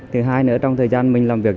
thứ hai nữa trong thời gian mình làm việc